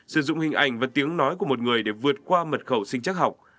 sử dụng hình ảnh và tiếng nói của một người để vượt qua mật khẩu sinh chắc học